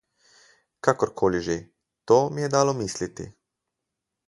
Kakorkoli že, to mi je dalo misliti.